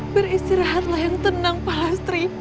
beristirahatlah yang tenang pak hastri